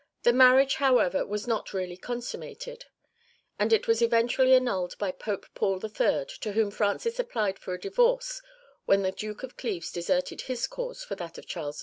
The marriage, however, was not really consummated (Nouvelles Lettres, &c., pp. 236, 237), and it was eventually annulled by Pope Paul III., to whom Francis applied for a divorce when the Duke of Cleves deserted his cause for that of Charles V.